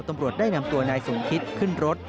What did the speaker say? ตำรวจได้นำตัวนายสมคิตขึ้นรถ